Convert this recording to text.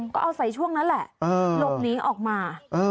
ก็เอาใส่ช่วงนั้นแหละหลบหนีออกมา